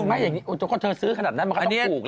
ถูกไหมโอ้โฮเจ้าค่อยเทอดซื้อขนาดนั้นมันเค้าต้องถูกหรอ